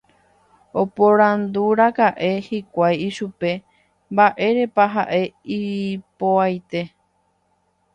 Oporandúraka'e hikuái ichupe mba'érepa ha'e ipo'aite.